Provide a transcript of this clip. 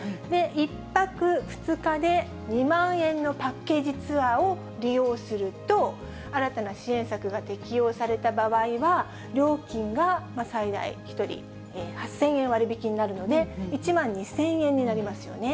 １泊２日で２万円のパッケージツアーを利用すると、新たな支援策が適用された場合は、料金が最大１人８０００円割引になるので、１万２０００円になりますよね。